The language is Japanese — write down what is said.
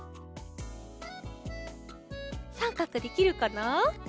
さんかくできるかな？